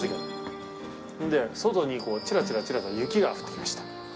で外にチラチラチラチラ雪が降って来ました。